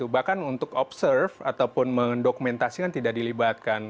bahkan untuk observe ataupun mendokumentasikan tidak dilibatkan